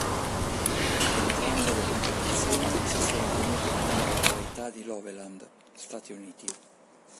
Entrambe le competizioni si sono tenute nella località di Loveland, Stati Uniti.